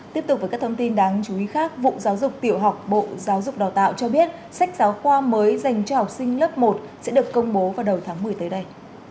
tiếp tục với các thông tin đáng chú ý khác vụ giáo dục tiểu học bộ giáo dục đào tạo cho biết sách giáo khoa mới dành cho học sinh lớp một sẽ được công bố vào đầu tháng một mươi tới đây